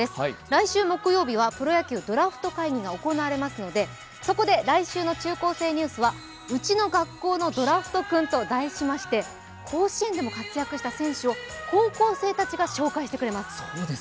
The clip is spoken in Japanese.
来週木曜日はプロ野球ドラフト会議が行われますのでそこで来週の中高生ニュースは「うちの学校のドラフトくん」と題しまして甲子園でも活躍した選手を高校生たちが紹介してくれます。